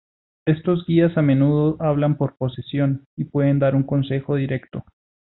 Estos guías a menudo hablan por posesión, y pueden dar un consejo directo.